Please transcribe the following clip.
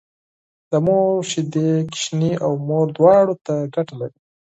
د مور شيدې ماشوم او مور دواړو ته ګټه لري